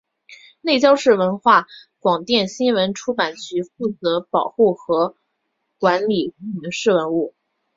内江市文化广电新闻出版局负责保护和管理全市文物。